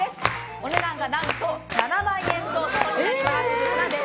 お値段が何と７万円相当になります。